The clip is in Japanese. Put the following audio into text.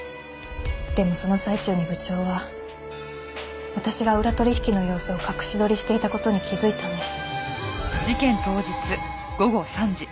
でもその最中に部長は私が裏取引の様子を隠し撮りしていた事に気づいたんです。